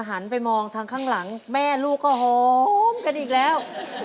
หันไปมองทางข้างหลังแม่ลูกก็หอมกันอีกแล้ว